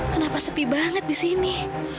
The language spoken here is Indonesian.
kenapa sepi banget disini